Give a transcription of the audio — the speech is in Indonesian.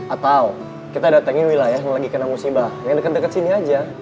atau kita datangin wilayah yang lagi kena musibah yang deket deket sini aja